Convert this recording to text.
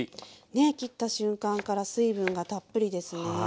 ねえ切った瞬間から水分がたっぷりですね。